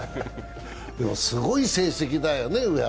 でもすごい成績だよね。